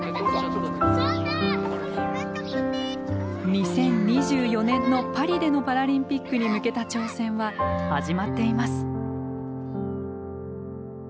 ２０２４年のパリでのパラリンピックに向けた挑戦は始まっています。